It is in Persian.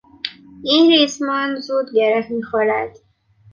این ریسمان زود گره میخورد.